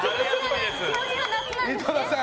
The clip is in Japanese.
井戸田さん！